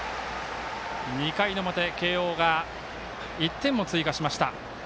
２回の表慶応が１点を追加しました。